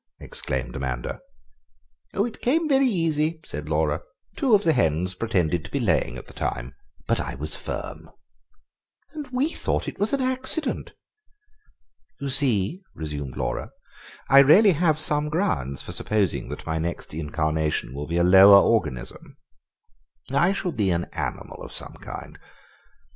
exclaimed Amanda. "It came quite easy," said Laura; "two of the hens pretended to be laying at the time, but I was firm." "And we thought it was an accident!" "You see," resumed Laura, "I really have some grounds for supposing that my next incarnation will be in a lower organism. I shall be an animal of some kind.